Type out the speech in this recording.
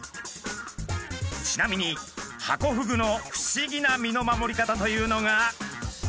ちなみにハコフグの不思議な身の守り方というのが。